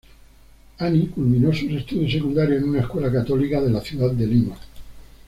Ani culminó sus estudios secundarios en una escuela católica en la ciudad de Lima.